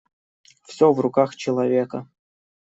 Всё в руках человека.